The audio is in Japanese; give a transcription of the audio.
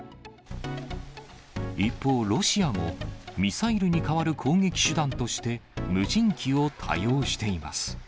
一方、ロシアもミサイルに代わる攻撃手段として、無人機を多用しています。